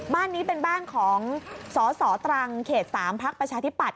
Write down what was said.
บ้านนี้เป็นบ้านของสสตรังเขต๓พักประชาธิปัต